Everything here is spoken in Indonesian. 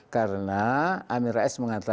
karena amin rais mengatakan